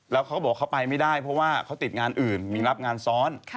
แล้วเขาก็บอกเขาไปไม่ได้เพราะว่าเขาติดงานอื่นมีรับงานซ้อน